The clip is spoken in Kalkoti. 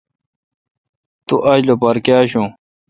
تو آج لوپار کاں آشو۔